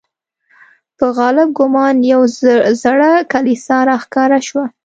په غالب ګومان یوه زړه کلیسا را ښکاره شوه.